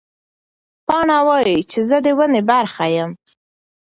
پاڼه وایي چې زه د ونې برخه یم.